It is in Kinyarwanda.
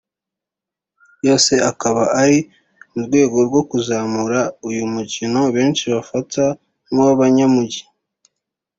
yose akaba ari mu rwego rwo kuzamura uyu mukino benshi bafata nk’uw’abanyamujyi